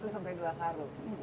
satu sampai dua karung